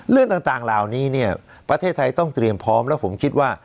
เรื่องต่างเหล่านี้เนี่ยประเทศไทยต้องเตรียมพร้อมแล้วผมคิดว่า